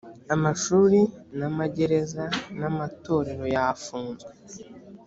amashuri na amagereza n amatorero yafunzwe